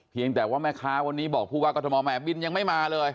เพียงแต่ว่าแม่ค้าวันนี้บอกผู้ว่ากรทมแม่บินยังไม่มาเลย